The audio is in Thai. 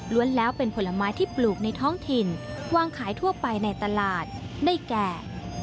แล้วเป็นผลไม้ที่ปลูกในท้องถิ่นวางขายทั่วไปในตลาดได้แก่